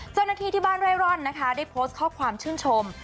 เจ้าหน้าที่ที่บ้านเร่ร่อนนะคะได้โพสต์ข้อความชื่นชม